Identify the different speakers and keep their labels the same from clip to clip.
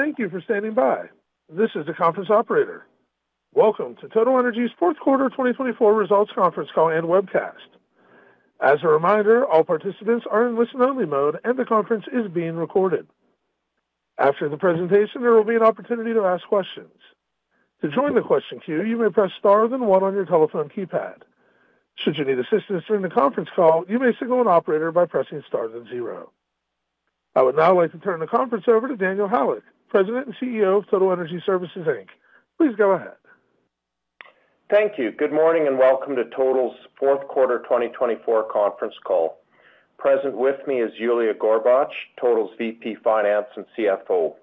Speaker 1: Thank you for standing by. This is the conference operator. Welcome to Total Energy's Q4 2024 Results Conference Call and Webcast. As a reminder, all participants are in listen-only mode, and the conference is being recorded. After the presentation, there will be an opportunity to ask questions. To join the question queue, you may press star then one on your telephone keypad. Should you need assistance during the conference call, you may signal an operator by pressing star then zero. I would now like to turn the conference over to Daniel Halyk, President and CEO of Total Energy Services. Please go ahead.
Speaker 2: Thank you. Good morning and welcome to Total Energy Services' Q4 2024 conference call. Present with me is Yuliya Gorbach, Total Energy Services' VP Finance and CFO.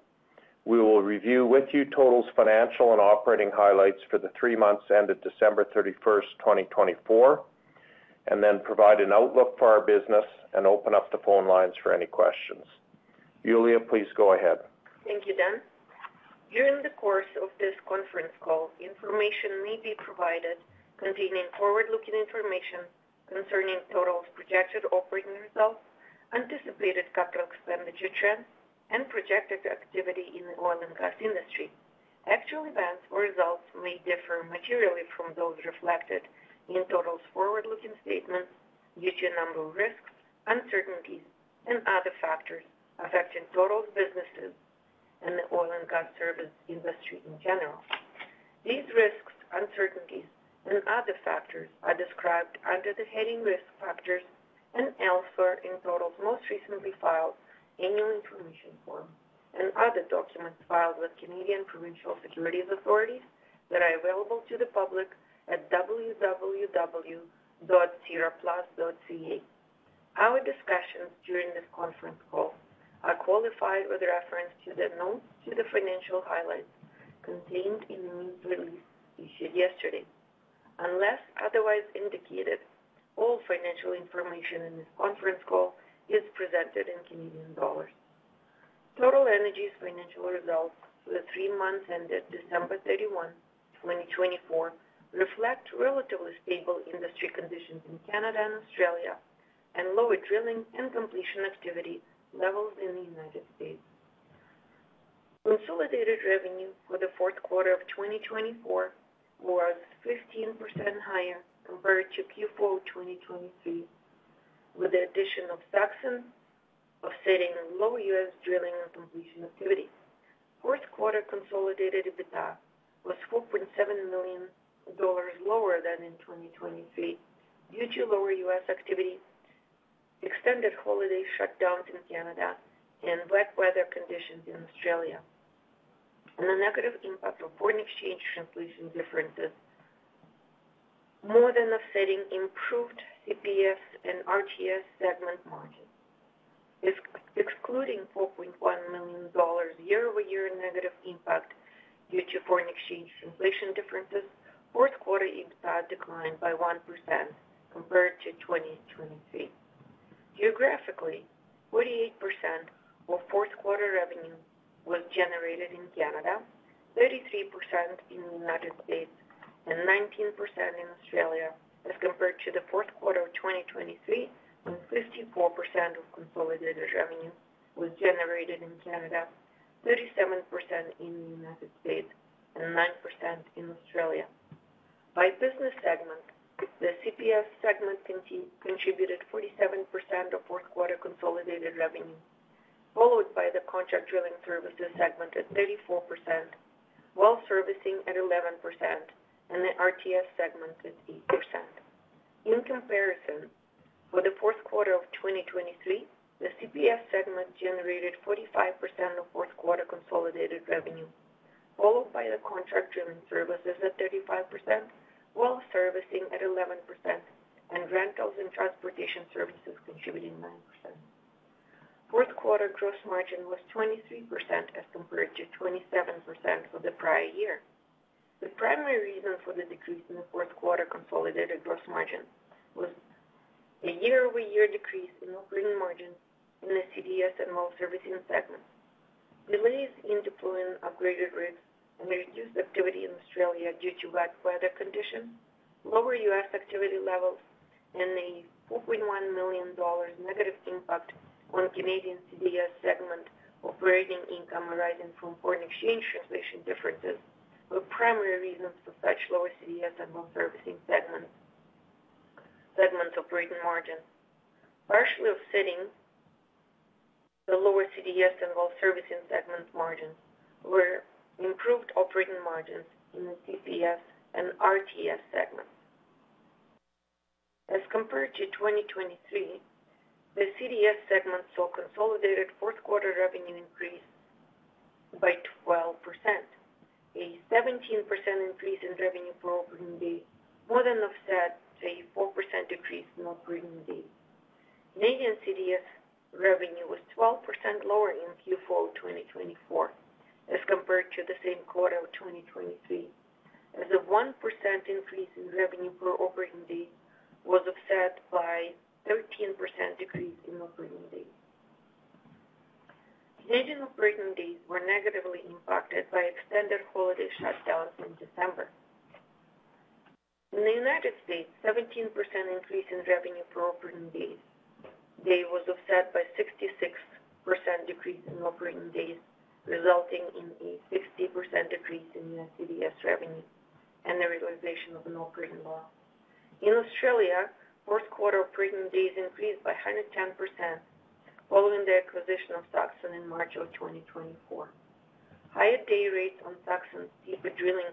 Speaker 2: We will review with you Total Energy Services' financial and operating highlights for the three months ended December 31, 2024, and then provide an outlook for our business and open up the phone lines for any questions. Yuliya, please go ahead.
Speaker 3: Thank you, Dan. During the course of this conference call, information may be provided containing forward-looking information concerning Total's projected operating results, anticipated capital expenditure trends, and projected activity in the oil and gas industry. Actual events or results may differ materially from those reflected in Total's forward-looking statements due to a number of risks, uncertainties, and other factors affecting Total's businesses and the oil and gas service industry in general. These risks, uncertainties, and other factors are described under the heading "Risk Factors" and elsewhere in Total's most recently filed annual information form and other documents filed with Canadian Provincial Securities Authorities that are available to the public at www.sedarplus.ca. Our discussions during this conference call are qualified with reference to the notes to the financial highlights contained in the news release issued yesterday. Unless otherwise indicated, all financial information in this conference call is presented in CAD. Total Energy's financial results for the three months ended December 31, 2024, reflect relatively stable industry conditions in Canada and Australia and lower drilling and completion activity levels in the U.S. Consolidated revenue for the Q4 of 2024 was 15% higher compared to Q4 2023, with the addition of Saxon offsetting low U.S. drilling and completion activity. Q4 consolidated EBITDA was 4.7 million dollars lower than in 2023 due to lower U.S. activity, extended holiday shutdowns in Canada, and wet weather conditions in Australia, and the negative impact of foreign exchange inflation differences more than offsetting improved CPS and RTS segment margins. Excluding 4.1 million dollars year-over-year negative impact due to foreign exchange inflation differences, Q4 EBITDA declined by 1% compared to 2023. Geographically, 48% of Q4 revenue was generated in Canada, 33% in the United States, and 19% in Australia, as compared to the Q4 of 2023, when 54% of consolidated revenue was generated in Canada, 37% in the United States, and 9% in Australia. By business segment, the CPS segment contributed 47% of Q4 consolidated revenue, followed by the Contract Drilling Services segment at 34%, Well Servicing at 11%, and the RTS segment at 8%. In comparison, for the Q4 of 2023, the CPS segment generated 45% of Q4 consolidated revenue, followed by the Contract Drilling Services at 35%, Well Servicing at 11%, and Rentals and Transportation Services contributing 9%. Q4 gross margin was 23% as compared to 27% for the prior year. The primary reason for the decrease in the Q4 consolidated gross margin was a year-over-year decrease in operating margins in the CDS and well servicing segments, delays in deploying upgraded rigs, and reduced activity in Australia due to wet weather conditions, lower U.S. activity levels, and a 4.1 million dollars negative impact on Canadian CDS segment operating income arising from foreign exchange translation differences were primary reasons for such lower CDS and well servicing segments operating margins. Partially offsetting the lower CDS and well servicing segment margins were improved operating margins in the CPS and RTS segments. As compared to 2023, the CDS segment saw consolidated Q4 revenue increase by 12%, a 17% increase in revenue per operating day, more than offset a 4% decrease in operating days. Canadian CDS revenue was 12% lower in Q4 2024 as compared to the same quarter of 2023, as a 1% increase in revenue per operating day was offset by a 13% decrease in operating days. Canadian operating days were negatively impacted by extended holiday shutdowns in December. In the U.S., a 17% increase in revenue per operating day was offset by a 66% decrease in operating days, resulting in a 60% decrease in CDS revenue and the realization of an operating loss. In Australia, Q4 operating days increased by 110% following the acquisition of Saxon in March of 2024. Higher day rates on Saxon's deeper drilling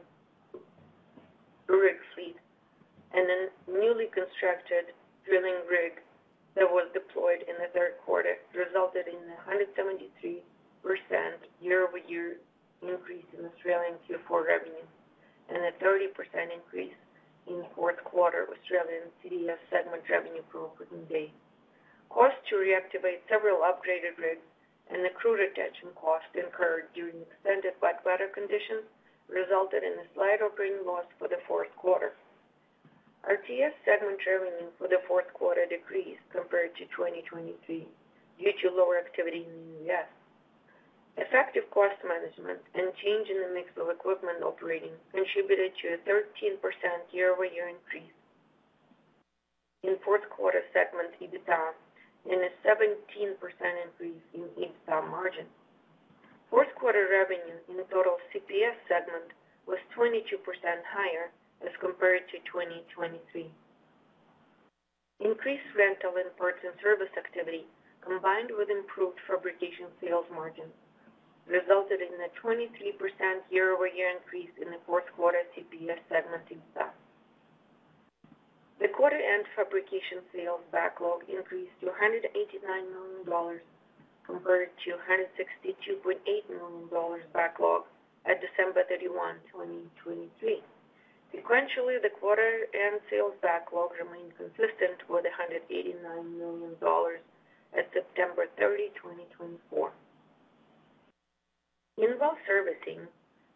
Speaker 3: rig fleet and a newly constructed drilling rig that was deployed in the Q3 resulted in a 173% year-over-year increase in Australian Q4 revenues and a 30% increase in Q4 Australian CDS segment revenue per operating day. Costs to reactivate several upgraded rigs and the crude attachment cost incurred during extended wet weather conditions resulted in a slight operating loss for the Q4. RTS segment revenue for the Q4 decreased compared to 2023 due to lower activity in the U.S. Effective cost management and change in the mix of equipment operating contributed to a 13% year-over-year increase in Q4 segment EBITDA and a 17% increase in EBITDA margins. Q4 revenue in total CPS segment was 22% higher as compared to 2023. Increased rental and parts and service activity, combined with improved fabrication sales margins, resulted in a 23% year-over-year increase in the Q4 CPS segment EBITDA. The quarter-end fabrication sales backlog increased to 189 million dollars compared to 162.8 million dollars backlog at December 31, 2023. Sequentially, the quarter-end sales backlog remained consistent with 189 million dollars at September 30, 2024. In well servicing,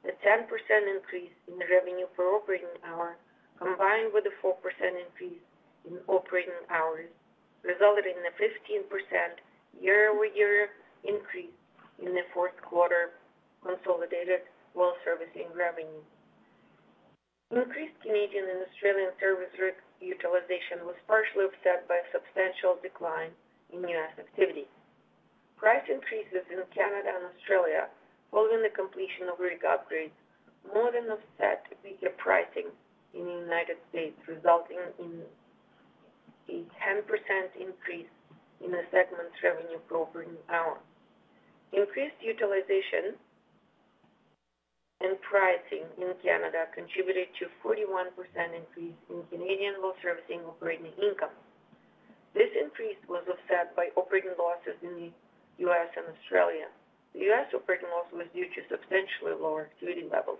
Speaker 3: a 10% increase in revenue per operating hour, combined with a 4% increase in operating hours, resulted in a 15% year-over-year increase in the Q4 consolidated well servicing revenue. Increased Canadian and Australian service rig utilization was partially offset by a substantial decline in U.S. activity. Price increases in Canada and Australia following the completion of rig upgrades more than offset weaker pricing in the United States, resulting in a 10% increase in the segment's revenue per operating hour. Increased utilization and pricing in Canada contributed to a 41% increase in Canadian well servicing operating income. This increase was offset by operating losses in the U.S. and Australia. The U.S. operating loss was due to substantially lower activity levels.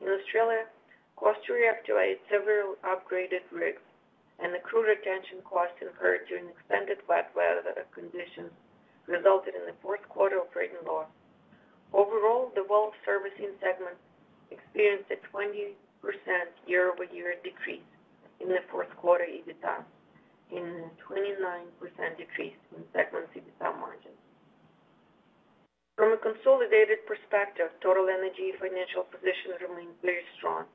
Speaker 3: In Australia, costs to reactivate several upgraded rigs and the crude attachment cost incurred during extended wet weather conditions resulted in the Q4 operating loss. Overall, the Well Servicing segment experienced a 20% year-over-year decrease in the Q4 EBITDA and a 29% decrease in segment EBITDA margins. From a consolidated perspective, Total Energy financial position remained very strong.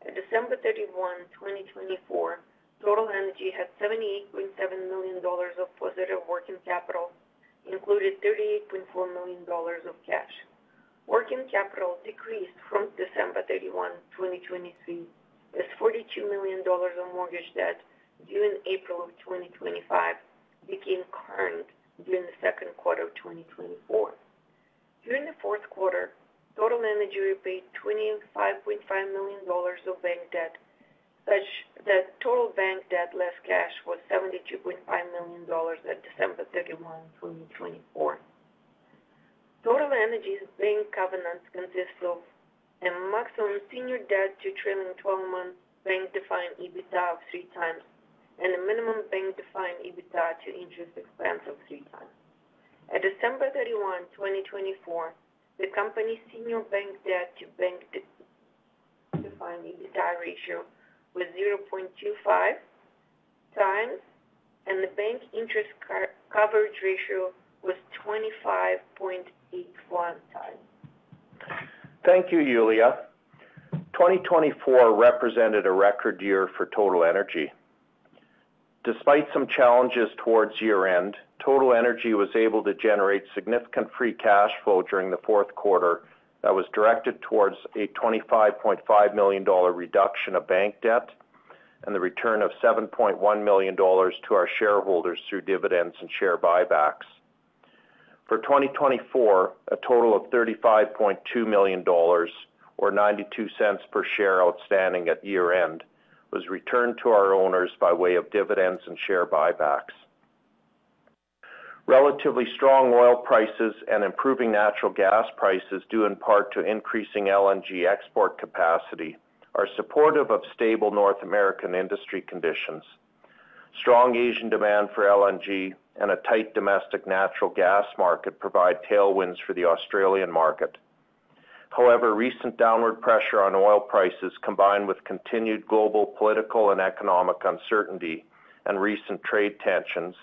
Speaker 3: At December 31, 2024, Total Energy had 78.7 million dollars of positive working capital, including 38.4 million dollars of cash. Working capital decreased from December 31, 2023, as 42 million dollars of mortgage debt due in April of 2025 became current during the Q2 of 2024. During the Q4, Total Energy repaid 25.5 million dollars of bank debt, such that total bank debt less cash was 72.5 million dollars at December 31, 2024. Total Energy's bank covenants consist of a maximum senior debt to trailing 12-month bank-defined EBITDA of three times and a minimum bank-defined EBITDA to interest expense of three times. At December 31, 2024, the company's senior bank debt to bank-defined EBITDA ratio was 0.25x and the bank interest coverage ratio was 25.81x.
Speaker 2: Thank you, Yuliya. 2024 represented a record year for Total Energy. Despite some challenges towards year-end, Total Energy was able to generate significant free cash flow during the Q4 that was directed towards a 25.5 million dollar reduction of bank debt and the return of 7.1 million dollars to our shareholders through dividends and share buybacks. For 2024, a total of 35.2 million dollars, or 0.92 per share outstanding at year-end, was returned to our owners by way of dividends and share buybacks. Relatively strong oil prices and improving natural gas prices, due in part to increasing LNG export capacity, are supportive of stable North American industry conditions. Strong Asian demand for LNG and a tight domestic natural gas market provide tailwinds for the Australian market. However, recent downward pressure on oil prices, combined with continued global political and economic uncertainty and recent trade tensions,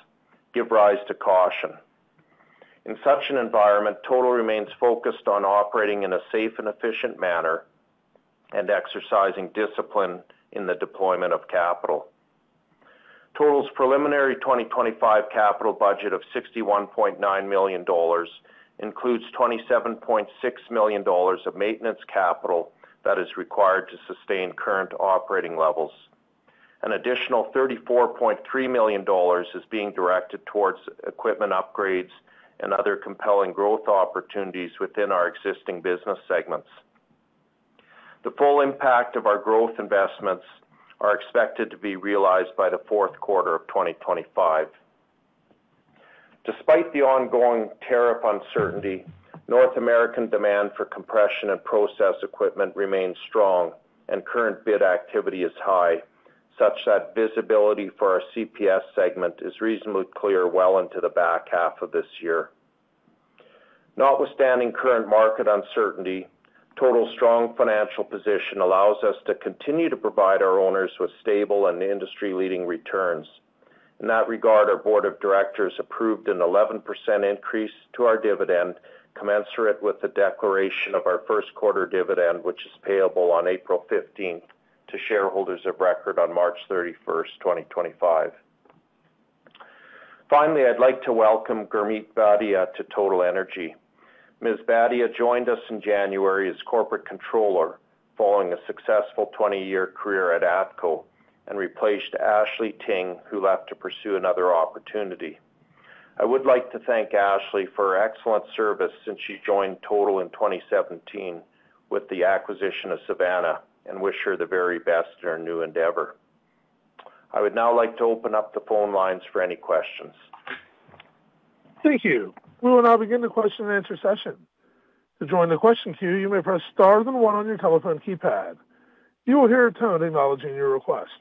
Speaker 2: give rise to caution. In such an environment, Total remains focused on operating in a safe and efficient manner and exercising discipline in the deployment of capital. Total's preliminary 2025 capital budget of 61.9 million dollars includes 27.6 million dollars of maintenance capital that is required to sustain current operating levels. An additional 34.3 million dollars is being directed towards equipment upgrades and other compelling growth opportunities within our existing business segments. The full impact of our growth investments is expected to be realized by the Q4 of 2025. Despite the ongoing tariff uncertainty, North American demand for compression and process equipment remains strong, and current bid activity is high, such that visibility for our CPS segment is reasonably clear well into the back half of this year. Notwithstanding current market uncertainty, Total's strong financial position allows us to continue to provide our owners with stable and industry-leading returns. In that regard, our board of directors approved an 11% increase to our dividend, commensurate with the declaration of our Q1 dividend, which is payable on April 15th to shareholders of record on March 31, 2025. Finally, I'd like to welcome Gurmeet Bhatia to Total Energy. Ms. Bhatia joined us in January as Corporate Controller following a successful 20-year career at ATCO and replaced Ashley Ting, who left to pursue another opportunity. I would like to thank Ashley for her excellent service since she joined Total in 2017 with the acquisition of Savannah and wish her the very best in her new endeavor. I would now like to open up the phone lines for any questions.
Speaker 1: Thank you. We will now begin the question-and-answer session. To join the question queue, you may press star and one on your telephone keypad. You will hear a tone acknowledging your request.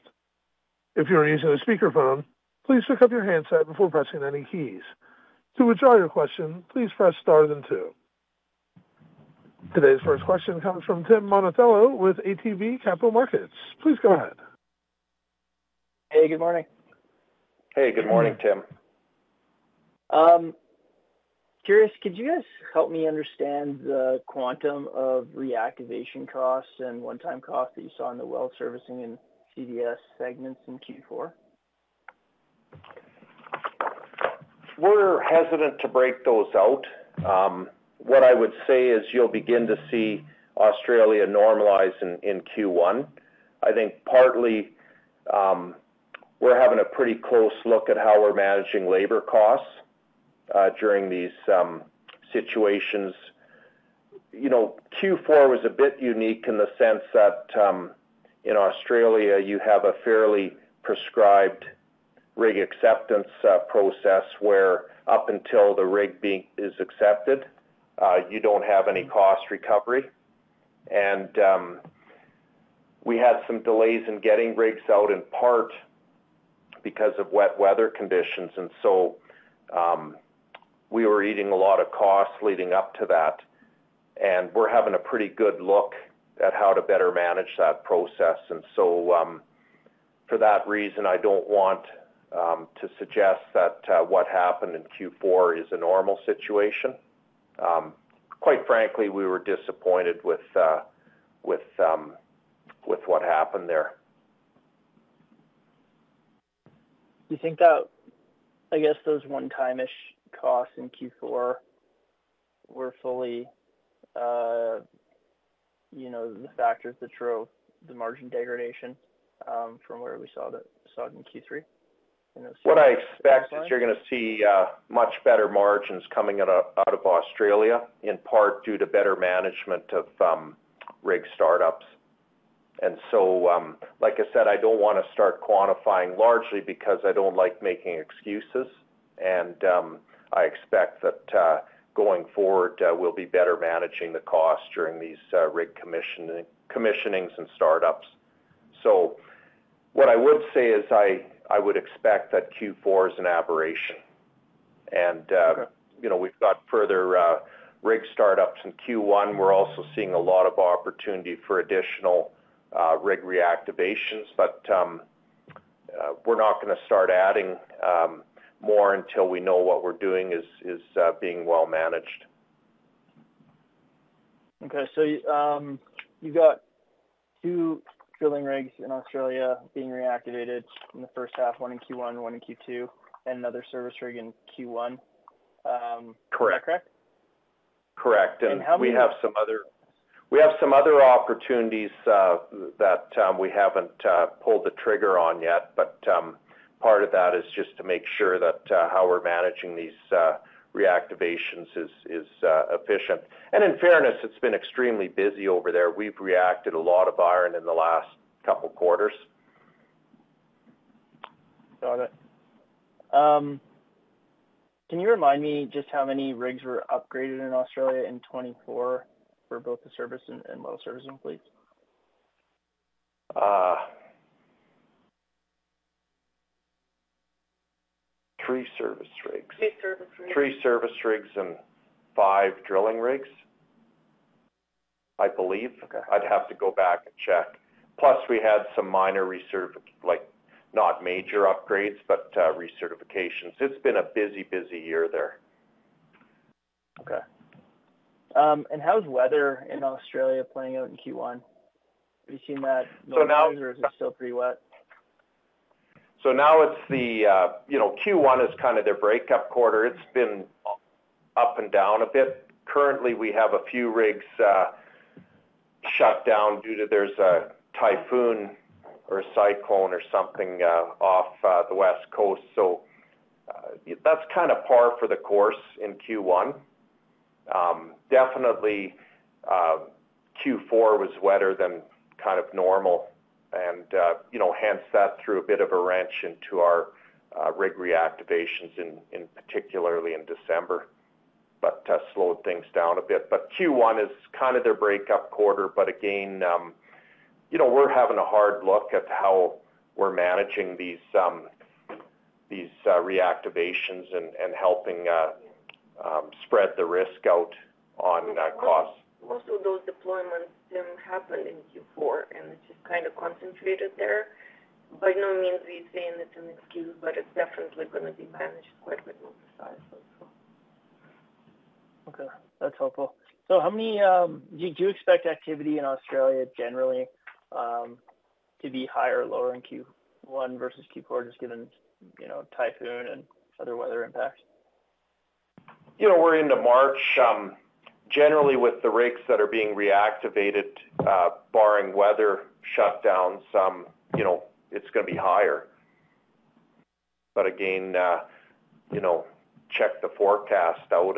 Speaker 1: If you are using a speakerphone, please pick up your handset before pressing any keys. To withdraw your question, please press star and two. Today's first question comes from Tim Monachello with ATB Capital Markets. Please go ahead.
Speaker 4: Good morning.
Speaker 2: Good morning, Tim.
Speaker 4: Curious, could you guys help me understand the quantum of reactivation costs and one-time costs that you saw in the Well Servicing and CDS segments in Q4?
Speaker 2: We're hesitant to break those out. What I would say is you'll begin to see Australia normalize in Q1. I think partly we're having a pretty close look at how we're managing labor costs during these situations. Q4 was a bit unique in the sense that in Australia, you have a fairly prescribed rig acceptance process where up until the rig is accepted, you don't have any cost recovery. We had some delays in getting rigs out in part because of wet weather conditions. We were eating a lot of costs leading up to that. We're having a pretty good look at how to better manage that process. For that reason, I don't want to suggest that what happened in Q4 is a normal situation. Quite frankly, we were disappointed with what happened there.
Speaker 4: Do you think that, I guess, those one-time-ish costs in Q4 were fully the factors that drove the margin degradation from where we saw it in Q3?
Speaker 2: What I expect is you're going to see much better margins coming out of Australia, in part due to better management of rig startups. Like I said, I don't want to start quantifying largely because I don't like making excuses. I expect that going forward, we'll be better managing the costs during these rig commissionings and startups. What I would say is I would expect that Q4 is an aberration. We've got further rig startups in Q1. We're also seeing a lot of opportunity for additional rig reactivations. We're not going to start adding more until we know what we're doing is being well managed.
Speaker 4: Okay. You have two drilling rigs in Australia being reactivated in the first half, one in Q1, one in Q2, and another service rig in Q1.
Speaker 2: Correct.
Speaker 4: Is that correct?
Speaker 2: Correct. We have some other opportunities that we have not pulled the trigger on yet. Part of that is just to make sure that how we are managing these reactivations is efficient. In fairness, it has been extremely busy over there. We have reactivated a lot of iron in the last couple of quarters.
Speaker 4: Got it. Can you remind me just how many rigs were upgraded in Australia in 2024 for both the service and well servicing fleets?
Speaker 2: Three service rigs.
Speaker 4: Three service rigs?
Speaker 2: Three service rigs and five drilling rigs, I believe. I'd have to go back and check. Plus, we had some minor recertification, not major upgrades, but recertifications. It's been a busy, busy year there.
Speaker 4: Okay. How's weather in Australia playing out in Q1? Have you seen that noise, or is it still pretty wet?
Speaker 2: Q1 is kind of their breakup quarter. It's been up and down a bit. Currently, we have a few rigs shut down due to there's a typhoon or a cyclone or something off the West Coast. That's kind of par for the course in Q1. Definitely, Q4 was wetter than kind of normal. Hence, that threw a bit of a wrench into our rig reactivations, particularly in December, but slowed things down a bit. Q1 is kind of their breakup quarter. Again, we're having a hard look at how we're managing these reactivations and helping spread the risk out on costs.
Speaker 3: Most of those deployments did not happen in Q4, and it is just kind of concentrated there. By no means are you saying it is an excuse, but it is definitely going to be managed quite a bit more precisely.
Speaker 4: Okay. That's helpful. How many did you expect activity in Australia generally to be higher or lower in Q1 versus Q4, just given typhoon and other weather impacts?
Speaker 2: We're into March. Generally, with the rigs that are being reactivated, barring weather shutdowns, it's going to be higher. Again, check the forecast out.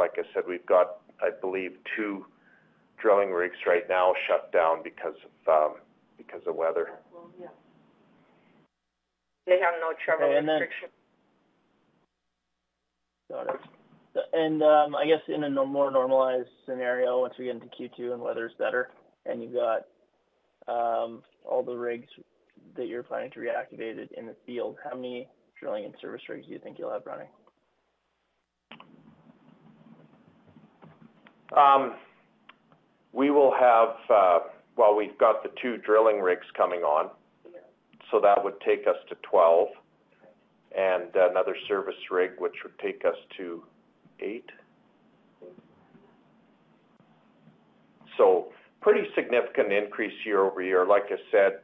Speaker 2: Like I said, we've got, I believe, two drilling rigs right now shut down because of weather.
Speaker 3: They have no travel restrictions.
Speaker 4: Got it. I guess in a more normalized scenario, once we get into Q2 and weather's better and you've got all the rigs that you're planning to reactivate in the field, how many drilling and service rigs do you think you'll have running?
Speaker 2: We've got the two drilling rigs coming on. That would take us to 12. Another service rig would take us to 8. Pretty significant increase year over year. Like I said,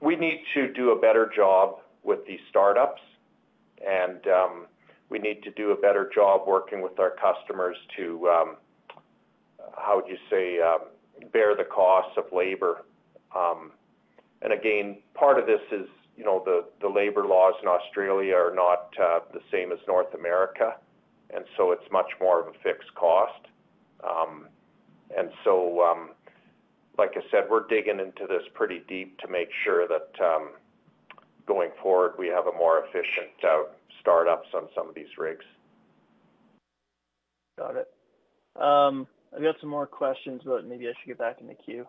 Speaker 2: we need to do a better job with these startups. We need to do a better job working with our customers to, how would you say, bear the cost of labor. Again, part of this is the labor laws in Australia are not the same as North America. It is much more of a fixed cost. Like I said, we're digging into this pretty deep to make sure that going forward, we have more efficient startups on some of these rigs.
Speaker 4: Got it. I've got some more questions, but maybe I should get back in the queue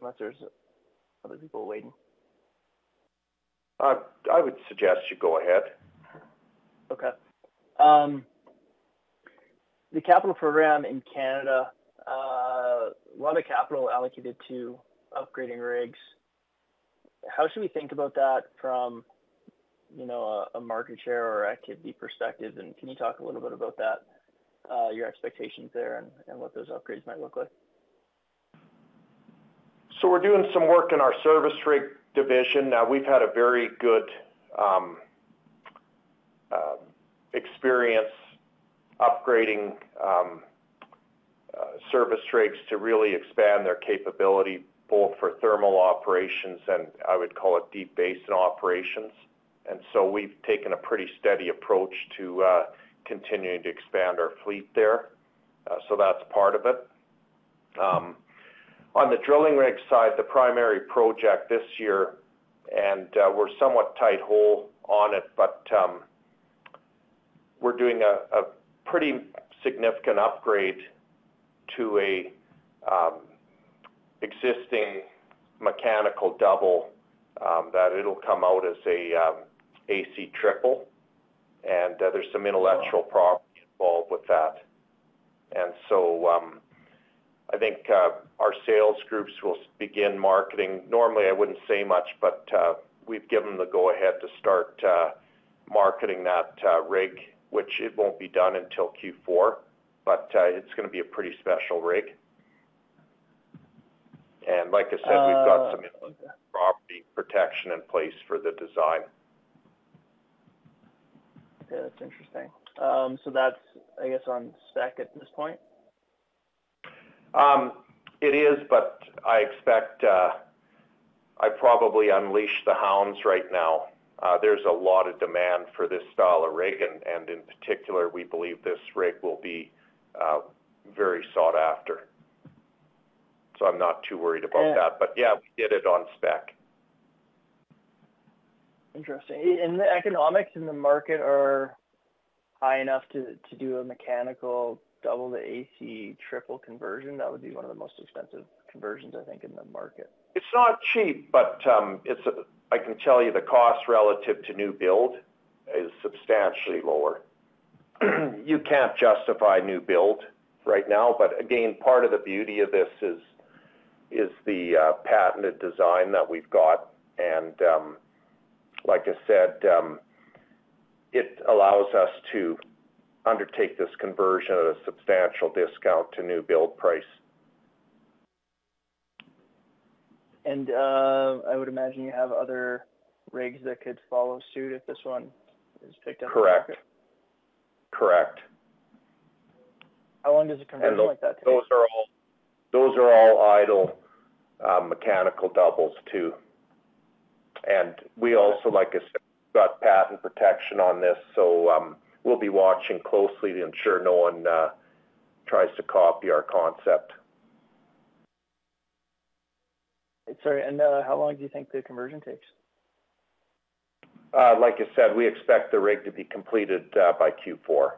Speaker 4: unless there's other people waiting.
Speaker 2: I would suggest you go ahead.
Speaker 4: Okay. The capital program in Canada, a lot of capital allocated to upgrading rigs. How should we think about that from a market share or activity perspective? Can you talk a little bit about that, your expectations there and what those upgrades might look like?
Speaker 2: We're doing some work in our service rig division. We've had a very good experience upgrading service rigs to really expand their capability, both for thermal operations and, I would call it, deep basin operations. We've taken a pretty steady approach to continuing to expand our fleet there. That's part of it. On the drilling rig side, the primary project this year, and we're somewhat tight-holed on it, but we're doing a pretty significant upgrade to an existing mechanical double that will come out as an AC triple. There's some intellectual property involved with that. I think our sales groups will begin marketing. Normally, I wouldn't say much, but we've given them the go-ahead to start marketing that rig, which will not be done until Q4. It's going to be a pretty special rig. Like I said, we've got some intellectual property protection in place for the design.
Speaker 4: Yeah, that's interesting. That's, I guess, on spec at this point?
Speaker 2: It is, but I expect I probably unleashed the hounds right now. There is a lot of demand for this style of rig. In particular, we believe this rig will be very sought after. I am not too worried about that. Yeah, we did it on spec.
Speaker 4: Interesting. The economics in the market are high enough to do a mechanical double to AC triple conversion. That would be one of the most expensive conversions, I think, in the market.
Speaker 2: It's not cheap, but I can tell you the cost relative to new build is substantially lower. You can't justify new build right now. Part of the beauty of this is the patented design that we've got. Like I said, it allows us to undertake this conversion at a substantial discount to new build price.
Speaker 4: I would imagine you have other rigs that could follow suit if this one is picked up.
Speaker 2: Correct.
Speaker 4: How long does it convert like that to?
Speaker 2: Those are all idle mechanical doubles, too. We also, like I said, got patent protection on this. We will be watching closely to ensure no one tries to copy our concept.
Speaker 4: Sorry. How long do you think the conversion takes?
Speaker 2: Like I said, we expect the rig to be completed by Q4.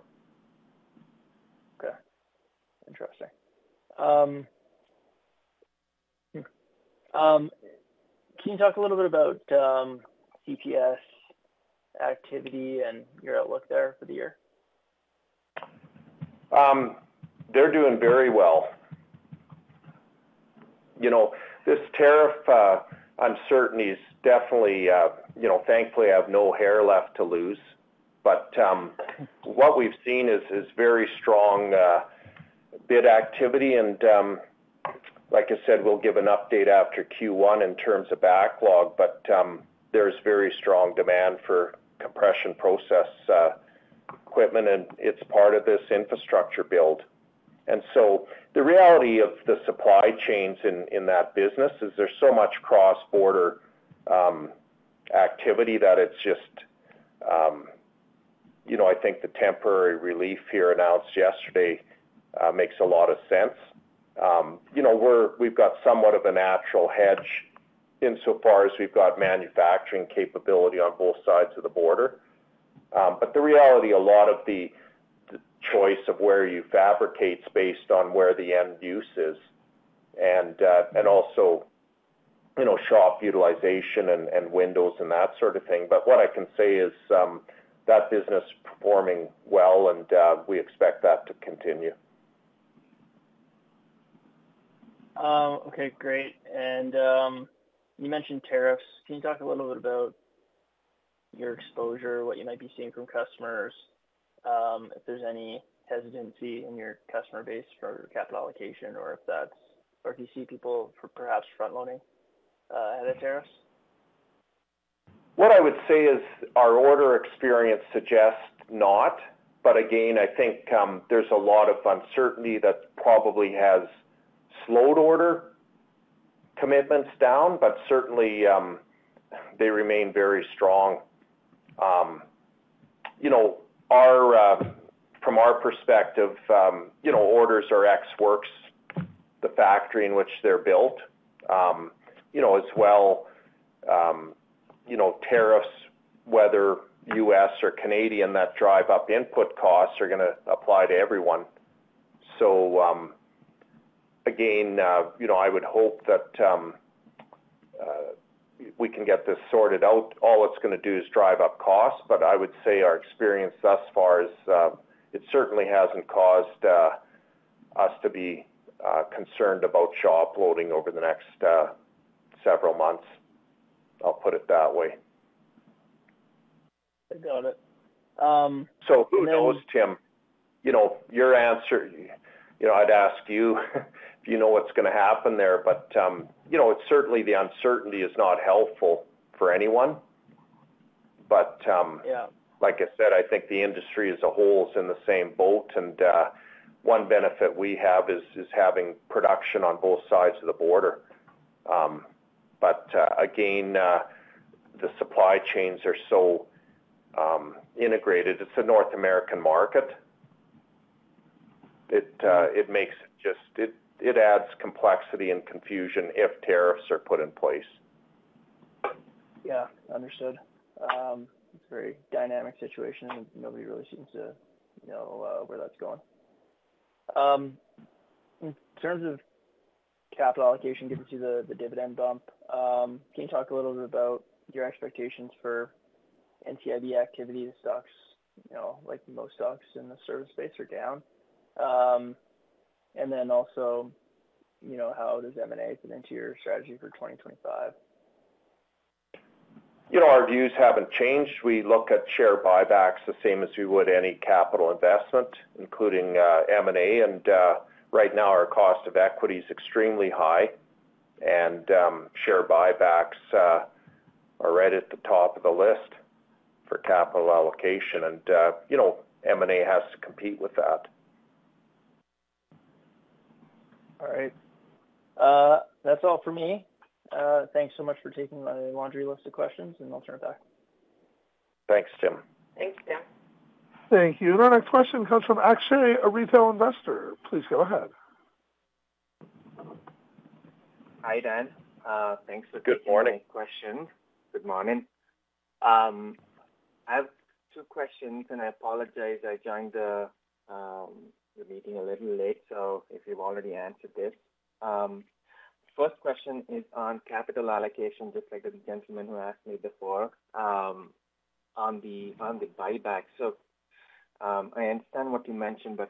Speaker 4: Okay. Interesting. Can you talk a little bit about CPS activity and your outlook there for the year?
Speaker 2: They're doing very well. This tariff uncertainty is definitely, thankfully, I have no hair left to lose. What we've seen is very strong bid activity. Like I said, we'll give an update after Q1 in terms of backlog. There's very strong demand for compression process equipment. It's part of this infrastructure build. The reality of the supply chains in that business is there's so much cross-border activity that it's just, I think the temporary relief here announced yesterday makes a lot of sense. We've got somewhat of a natural hedge insofar as we've got manufacturing capability on both sides of the border. The reality is a lot of the choice of where you fabricate is based on where the end use is, and also shop utilization and windows and that sort of thing. What I can say is that business is performing well, and we expect that to continue.
Speaker 4: Okay. Great. You mentioned tariffs. Can you talk a little bit about your exposure, what you might be seeing from customers, if there's any hesitancy in your customer base for capital allocation, or if you see people perhaps front-loading ahead of tariffs?
Speaker 2: What I would say is our order experience suggests not. I think there's a lot of uncertainty that probably has slowed order commitments down. They remain very strong. From our perspective, orders are Ex-works the factory in which they're built as well. Tariffs, whether U.S. or Canadian, that drive up input costs are going to apply to everyone. I would hope that we can get this sorted out. All it's going to do is drive up costs. I would say our experience thus far is it certainly hasn't caused us to be concerned about shop loading over the next several months. I'll put it that way.
Speaker 4: I got it.
Speaker 2: Who knows, Tim? Your answer, I'd ask you if you know what's going to happen there. Certainly, the uncertainty is not helpful for anyone. Like I said, I think the industry as a whole is in the same boat. One benefit we have is having production on both sides of the border. Again, the supply chains are so integrated. It's a North American market. It adds complexity and confusion if tariffs are put in place.
Speaker 4: Yeah. Understood. It's a very dynamic situation. Nobody really seems to know where that's going. In terms of capital allocation, given the dividend bump, can you talk a little bit about your expectations for NCIB activity? The stocks, like most stocks in the service space, are down. Also, how does M&A fit into your strategy for 2025?
Speaker 2: Our views haven't changed. We look at share buybacks the same as we would any capital investment, including M&A. Right now, our cost of equity is extremely high. Share buybacks are right at the top of the list for capital allocation. M&A has to compete with that.
Speaker 4: All right. That's all for me. Thanks so much for taking my laundry list of questions, and I'll turn it back.
Speaker 2: Thanks, Tim.
Speaker 3: Thanks, Tim.
Speaker 1: Thank you. The next question comes from Akshay, a retail investor. Please go ahead. Hi, Dan. Thanks for taking my question.
Speaker 2: Good morning. Good morning. I have two questions, and I apologize. I joined the meeting a little late, so if you've already answered this. First question is on capital allocation, just like the gentleman who asked before on the buyback. I understand what you mentioned, but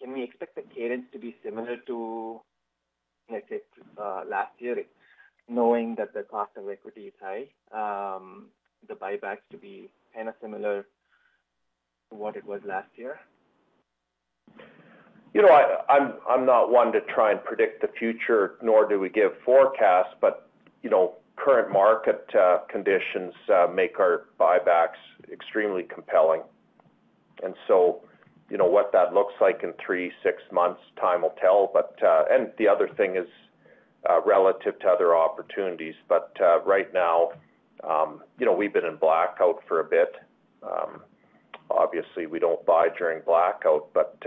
Speaker 2: can we expect the cadence to be similar to, let's say, last year, knowing that the cost of equity is high, the buybacks to be kind of similar to what it was last year? I'm not one to try and predict the future, nor do we give forecasts. Current market conditions make our buybacks extremely compelling. What that looks like in three, six months' time will tell. The other thing is relative to other opportunities. Right now, we've been in blackout for a bit. Obviously, we don't buy during blackout, but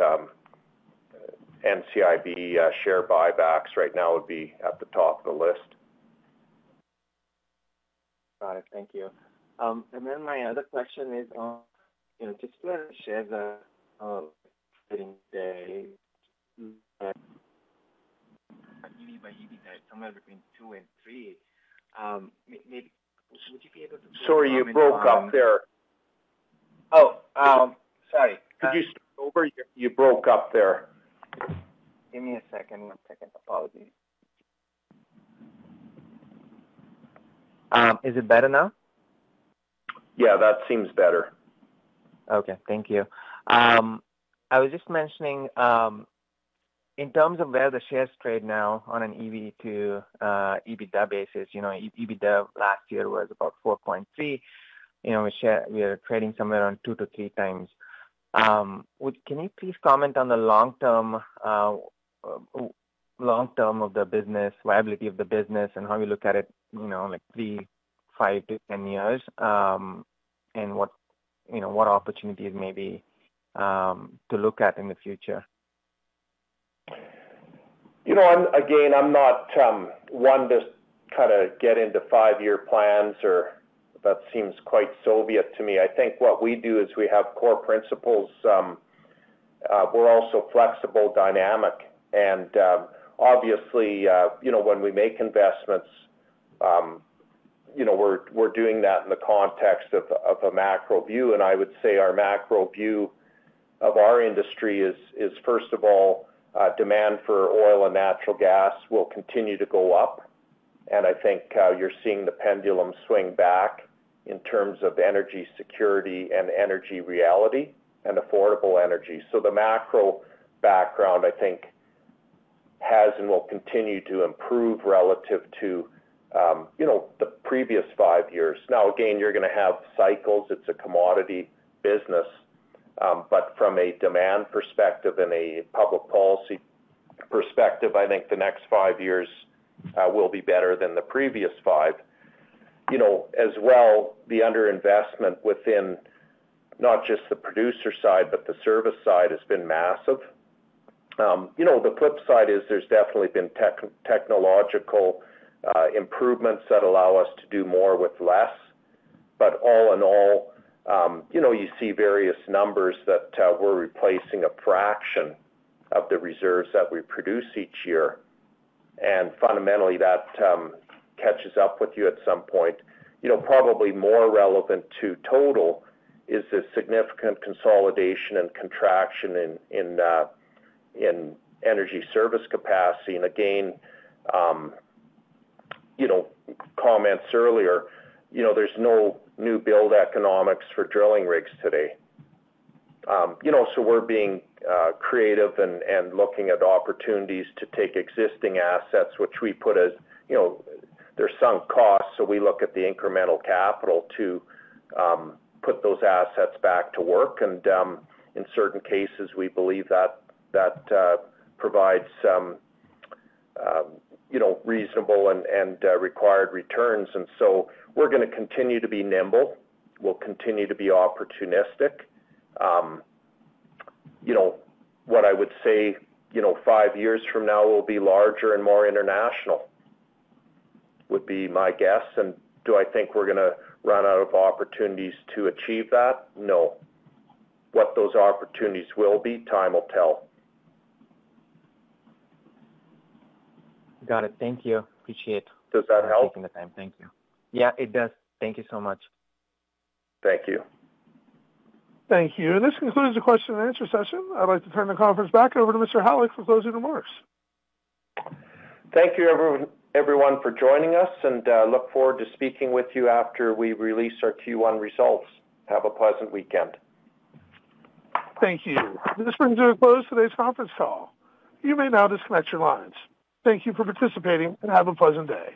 Speaker 2: NCIB share buybacks right now would be at the top of the list. Got it. Thank you. My other question is just to share the day. You mean by evening, night, somewhere between 2:00 and 3:00. Would you be able to? Sorry, you broke up there. Oh, sorry. Could you start over? You broke up there. Give me a second. One second. Apologies. Is it better now? Yeah, that seems better. Okay. Thank you. I was just mentioning in terms of where the shares trade now on an EBITDA basis, EBITDA last year was about $4.3 million. We are trading somewhere around two to three times. Can you please comment on the long term of the business, viability of the business, and how you look at it three, five, to ten years, and what opportunities may be to look at in the future? Again, I'm not one to kind of get into five-year plans, or that seems quite Soviet to me. I think what we do is we have core principles. We're also flexible, dynamic. Obviously, when we make investments, we're doing that in the context of a macro view. I would say our macro view of our industry is, first of all, demand for oil and natural gas will continue to go up. I think you're seeing the pendulum swing back in terms of energy security and energy reality and affordable energy. The macro background, I think, has and will continue to improve relative to the previous five years. Now, you're going to have cycles. It's a commodity business. From a demand perspective and a public policy perspective, I think the next five years will be better than the previous five. As well, the underinvestment within not just the producer side, but the service side has been massive. The flip side is there's definitely been technological improvements that allow us to do more with less. All in all, you see various numbers that we're replacing a fraction of the reserves that we produce each year. Fundamentally, that catches up with you at some point. Probably more relevant to Total is the significant consolidation and contraction in energy service capacity. Comments earlier, there's no new build economics for drilling rigs today. We are being creative and looking at opportunities to take existing assets, which we put as there's some cost. We look at the incremental capital to put those assets back to work. In certain cases, we believe that provides reasonable and required returns. We are going to continue to be nimble. We'll continue to be opportunistic. What I would say five years from now will be larger and more international would be my guess. Do I think we're going to run out of opportunities to achieve that? No. What those opportunities will be, time will tell. Got it. Thank you. Appreciate it. Does that help? Thank you for taking the time. Thank you. Yeah, it does. Thank you so much. Thank you.
Speaker 1: Thank you. This concludes the question and answer session. I'd like to turn the conference back over to Mr. Halyk for closing remarks.
Speaker 2: Thank you, everyone, for joining us. I look forward to speaking with you after we release our Q1 results. Have a pleasant weekend.
Speaker 1: Thank you. This brings us to a close of today's conference call. You may now disconnect your lines. Thank you for participating, and have a pleasant day.